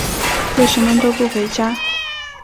为什么都不回家？